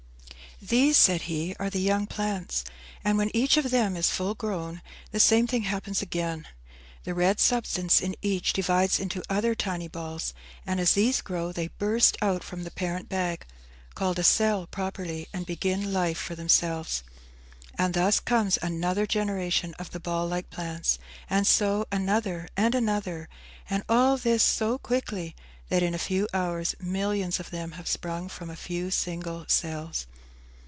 "These," said he, "are the young plants; and when each of them is full grown, the same thing happens again. The red substance in each divides into other tiny balls, and, as these grow, they burst out from the parent bag, (called a cell, properly,) and begin life for themselves. And thus comes another generation of the ball like plants, and so another and another; and all this so quickly, that, in a few hours, millions of them have sprung from a few single cells.